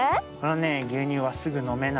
ぎゅうにゅうはすぐのめないんだ。